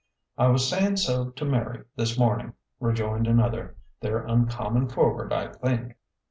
" I was sayin' so to Mary this mornm'," rejoined another. " They're uncommon forward, I think."